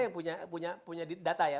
yang punya data ya